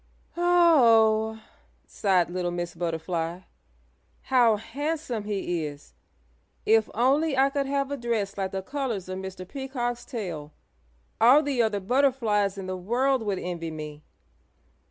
"Oh oh!" sighed little Miss Butterfly. "How handsome he is! If only I could have a dress like the colors of Mr. Peacock's tail all the other butterflies in the world would envy me.